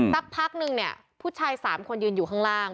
สักพักนึงเนี่ยผู้ชาย๓คนยืนอยู่ข้างล่าง